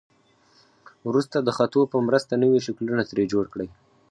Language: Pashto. وروسته د خطو په مرسته نوي شکلونه ترې جوړ کړئ.